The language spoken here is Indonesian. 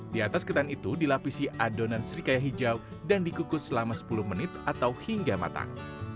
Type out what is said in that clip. di atas ketan itu dilapisi adonan serikaya hijau dan dikukus selama sepuluh menit atau hingga matang